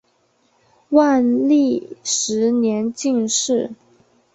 万历十年进士。